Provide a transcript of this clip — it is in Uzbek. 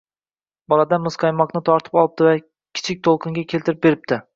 boladan muzqaymoqni tortib olibdi va Kichik to‘lqinga keltirib beribdi